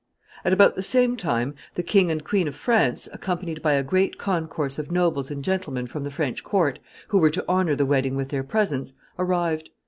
] At about the same time, the King and Queen of France, accompanied by a great concourse of nobles and gentlemen from the French court, who were to honor the wedding with their presence, arrived.